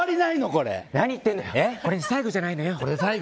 これで最後じゃないのよ。